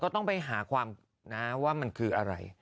ต้องไปหาความนะว่ามันคืออะไร